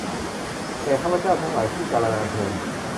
แก่ข้าพเจ้าทั้งหลาย สิ้นกาลนานเทอญ